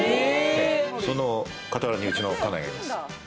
その傍らにうちの家内がいます。